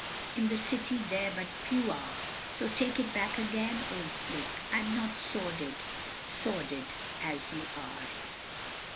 "In the City there but few are, So take it back again, old flick, I'm not so sordid (sworded) as you are."